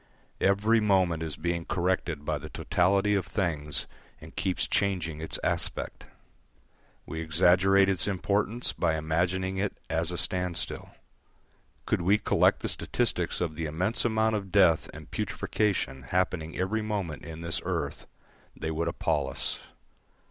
Every moment it is being corrected by the totality of things and keeps changing its aspect. We exaggerate its importance by imagining it as a standstill. Could we collect the statistics of the immense amount of death and putrefaction happening every moment in this earth, they would appal us.